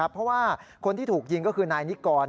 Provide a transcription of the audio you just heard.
เพราะว่าคนที่ถูกยิงก็คือนายนิกร